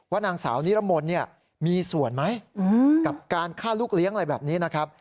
นางสาวนิรมนต์มีส่วนไหมกับการฆ่าลูกเลี้ยงอะไรแบบนี้นะครับ